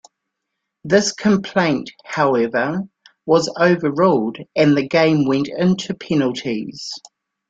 This complaint, however, was overruled, and the game went into penalties.